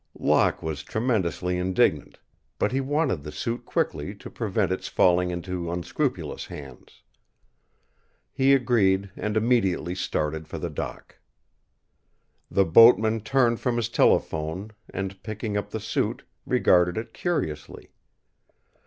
Locke was tremendously indignant, but he wanted the suit quickly to prevent its falling into unscrupulous hands. He agreed and immediately started for the dock. The boatman turned from his telephone and, picking up the suit, regarded it curiously.